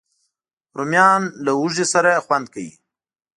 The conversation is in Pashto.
رومیان له هوږې سره خوند کوي